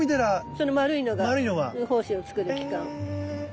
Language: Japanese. その丸いのが胞子を作る器官。